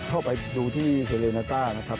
คือสมัยก่อนสำเร็จร๕ครับ